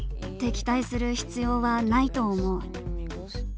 敵対する必要はないと思う。